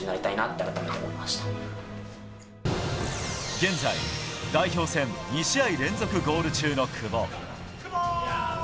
現在、代表戦２試合連続ゴール中の久保。